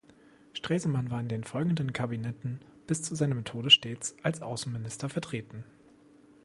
Stresemann war in den folgenden Kabinetten bis zu seinem Tode stets als Außenminister vertreten.